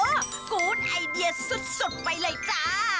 โอ้โหกูธไอเดียสุดไปเลยจ้า